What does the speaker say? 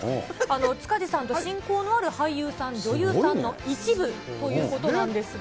塚地さんと親交のある俳優さん、女優さんの一部ということなんですが。